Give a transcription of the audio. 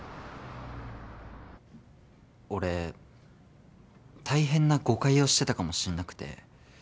俺たいへんな誤解をしてたかもしんなくて。